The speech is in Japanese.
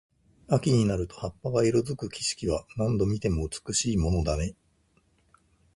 秋になると葉っぱが色付く景色は、何度見ても美しいものだね。